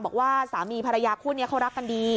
บอกว่าสามีภรรยาคู่นี้เขารักกันดี